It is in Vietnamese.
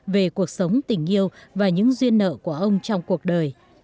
về cuộc sống tình yêu và những duyên nợ của ông trong cuộc đời